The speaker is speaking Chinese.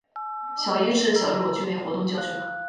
小一至小六均为活动教学班。